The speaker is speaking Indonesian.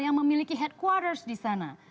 yang memiliki headquarters di sana